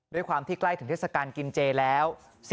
ด้วยความที่ใกล้ถึงเทศกาลกินเจแล้ว